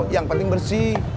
yang penting bersih